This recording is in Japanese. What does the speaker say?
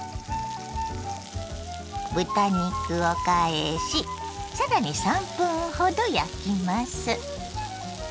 豚肉を返しさらに３分ほど焼きます。